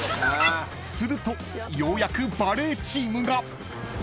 ［するとようやくバレーチームが］